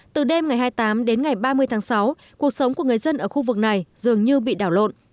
từ đêm ngày hai mươi tám đến ngày ba mươi tháng sáu cuộc sống của người dân ở khu vực này dường như bị đảo lộn